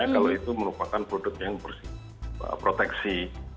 kalau itu merupakan produk yang bersih proteksi